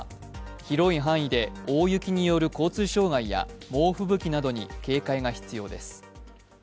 広い範囲で大雪による交通障害や猛吹雪などに警戒が必要です。